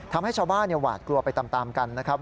ทำให้ชาวบ้านหวาดกลัวไปตามกันนะครับ